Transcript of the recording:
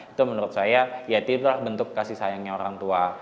itu menurut saya ya itulah bentuk kasih sayangnya orang tua